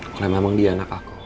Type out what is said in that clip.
karena memang dia anak aku